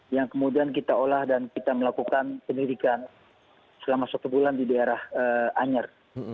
yang kemudian kita olah dan kita melakukan penyelidikan selama satu bulan di daerah anyer